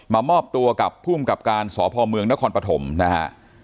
มามอบตัวกับผู้อุ้มกับการสพเมืองนครปฐมนะครับ